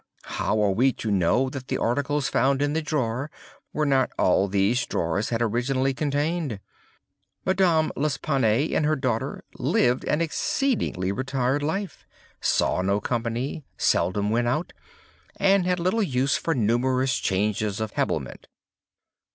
How are we to know that the articles found in the drawers were not all these drawers had originally contained? Madame L'Espanaye and her daughter lived an exceedingly retired life—saw no company—seldom went out—had little use for numerous changes of habiliment.